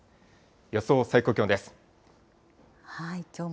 予想最高気温です。